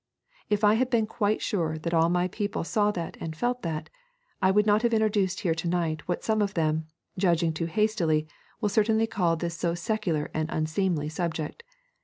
If I had been quite sure that all my people saw that and felt that, I would not have introduced here to night what some of them, judging too hastily, will certainly call this so secular and unseemly subject.